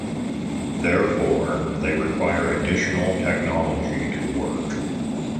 Therefore, they require additional technology to work.